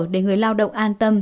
để người lao động an tâm